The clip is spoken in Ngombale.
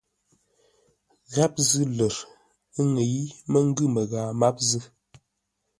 Gháp zʉ́ lər, ə́ ŋə́i mə́ ngʉ̂ məghaa máp zʉ́.